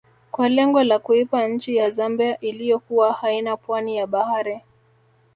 Kwa lengo la kuipa nchi ya Zambia iliyokuwa haina pwani ya bahari